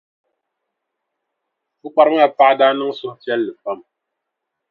Pukpara maa paɣa daa niŋ suhupiɛlli pam.